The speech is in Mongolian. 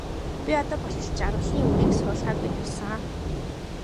Би одоо болтол жаргалын үрийг суулгаагүй явсан.